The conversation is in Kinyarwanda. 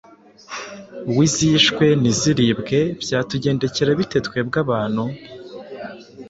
w’izishwe ntiziribwe byatugendekera bite twebwe abantu?